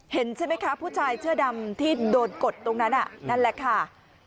เห็นใช่ไหมคะผู้ชายเสื้อดำที่โดนกดตรงนั้นนั่นแหละค่ะ